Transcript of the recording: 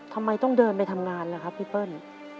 ทำไมต้องเดินไปทำงานล่ะครับพี่เปิ้ล